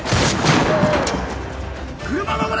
車を守れ！